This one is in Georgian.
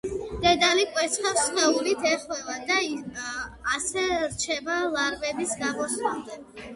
დედალი კვერცხებს სხეულით ეხვევა და ასე რჩება ლარვების გამოსვლამდე.